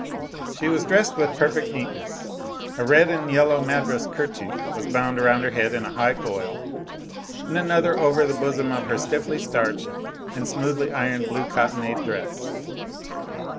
She was dressed with perfect neatness. A red and yellow Madras kerchief was bound about her head in a high coil, and another over the bosom of her stiffly starched and smoothly ironed blue cottonade dress.